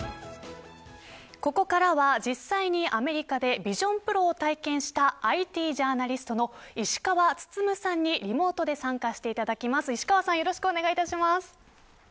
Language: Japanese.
ここからは実際にアメリカでＶｉｓｉｏｎＰｒｏを体験したＩＴジャーナリストの石川温さんにリモートで参加していただきます。